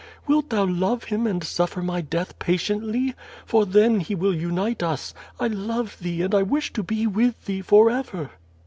AYilt thou love Him and suffer my death patiently? For then He will unite us. I love thee and I wish to be with thee forever.